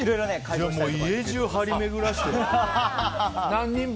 家じゅう、張り巡らせて。